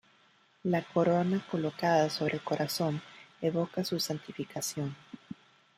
La corona colocada sobre el corazón evoca su santificación.